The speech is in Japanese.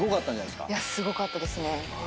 すごかったですね。